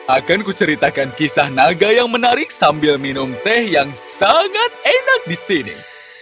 akan kuceritakan kisah naga yang menarik sambil minum teh yang sangat enak di sini